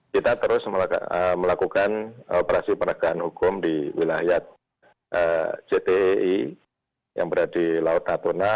kita terus melakukan operasi penerbangan hukum di wilayah jdi yang berada di laut datuna